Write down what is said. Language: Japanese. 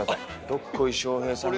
どっこい翔平さん